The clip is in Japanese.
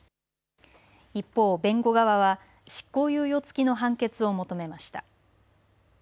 一方、弁護側は執行猶予付きの判決を求めました。